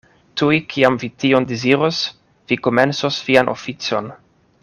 Tuj kiam vi tion deziros, vi komencos vian oficon.